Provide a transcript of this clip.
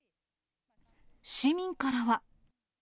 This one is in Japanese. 市民からは。